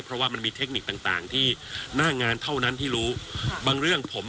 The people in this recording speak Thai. เพราะว่ามันมีเทคนิคต่างต่างที่หน้างานเท่านั้นที่รู้บางเรื่องผม